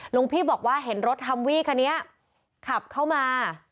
หลวงพี่บอกว่าเห็นรถฮัมวี่คันนี้ขับเข้ามา